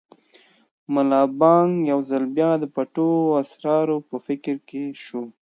ملا بانګ یو ځل بیا د پټو اسرارو په فکر کې شو.